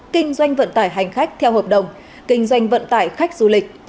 kinh doanh vận tải hành khách theo hợp đồng kinh doanh vận tải khách du lịch